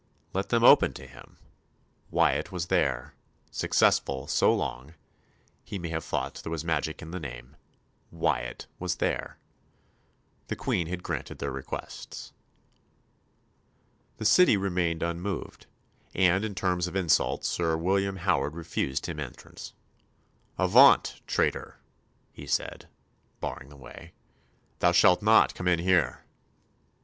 Let them open to him; Wyatt was there successful so long, he may have thought there was magic in the name Wyatt was there; the Queen had granted their requests. The City remained unmoved; and, in terms of insult, Sir William Howard refused him entrance. "Avaunt, traitor," he said, barring the way, "thou shalt not come in here."